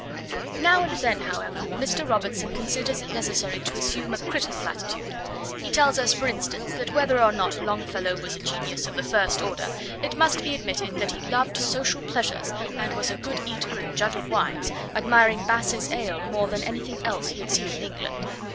Now and then, however, Mr. Robertson considers it necessary to assume a critical attitude. He tells us, for instance, that whether or not Longfellow was a genius of the first order, it must be admitted that he loved social pleasures and was a good eater and judge of wines, admiring 'Bass's ale' more than anything else he had seen in England!